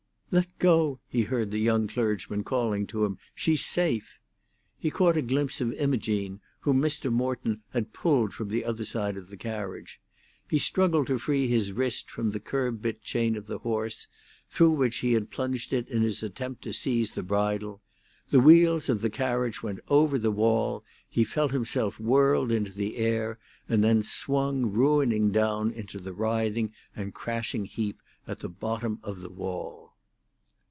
"Let go!" he heard the young clergyman calling to him; "she's safe!" He caught a glimpse of Imogene, whom Mr. Morton had pulled from the other side of the carriage. He struggled to free his wrist from the curb bit chain of the horse, through which he had plunged it in his attempt to seize the bridle. The wheels of the carriage went over the wall; he felt himself whirled into the air, and then swung ruining down into the writhing and crashing heap at the bottom of the wall.